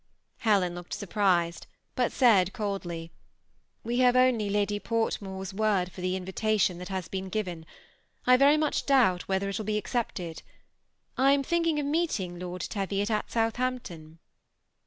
Helen looked sorprised, but sadd, coldly, ^ We have cnly Lady Pbrtmore's word fer the invitation that has been ^ven; I very much doubt whether it will be •eeepted. I am thinking of meeting Lord Teviot at Southampton."